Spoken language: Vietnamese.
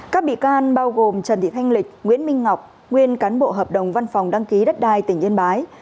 các bị can bao gồm trần thị thanh lịch nguyễn minh ngọc nguyên cán bộ hợp đồng văn phòng đăng ký đất đai tỉnh yên bái